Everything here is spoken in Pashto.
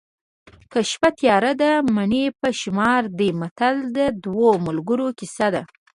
که شپه تیاره ده مڼې په شمار دي متل د دوو ملګرو کیسه ده